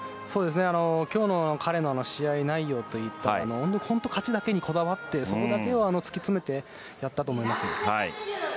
今日の彼の試合内容といったら、本当に勝ちだけにこだわってそこだけを突き詰めてやってきたと思います。